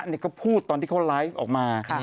เนี่ยก็พูดตอนที่เขารายลิฟต์ออกมา